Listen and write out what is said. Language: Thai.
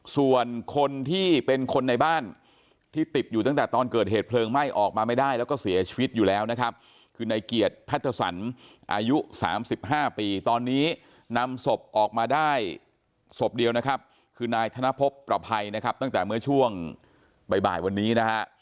ส่วนคนที่เป็นคนในบ้านที่ติดอยู่ตั้งแต่ตอนเกิดเหตุเพลิงไหม้ออกมาไม่ได้แล้วก็เสียชีวิตอยู่แล้วนะครับคือนายเกียรติแพทสันอายุ๓๕ปีตอนนี้นำศพออกมาได้ศพเดียวนะครับคือนายธนพบประภัยนะครับตั้งแต่เมื่อช่วงบ่ายวันนี้นะฮะ